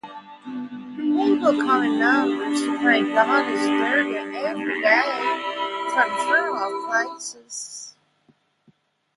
People come in numbers to pray Goddess durga everyday from far off places.